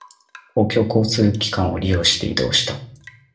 公共交通機関を利用して移動した。